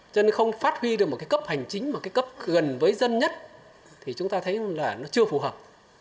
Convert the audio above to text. cho nên không phát huy được một cái cấp hành chính một cái cấp gần với dân nhất thì chúng ta thấy là nó chưa phù hợp